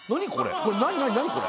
何これ？